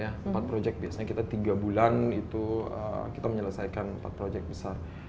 ya empat proyek biasanya kita tiga bulan itu kita menyelesaikan empat proyek besar